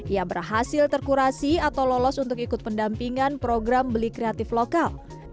ia berhasil terkurasi atau lolos untuk ikut pendampingan program beli kreatif lokal